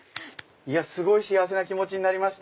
すごい幸せな気持ちになりました。